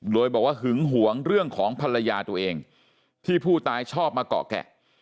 โดยบอกว่าหึงหวงเรื่องของภรรยาตัวเองที่ผู้ตายชอบมาเกาะแกะ